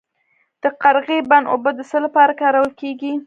د قرغې بند اوبه د څه لپاره کارول کیږي؟